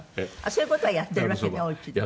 そういう事はやっているわけねお家で。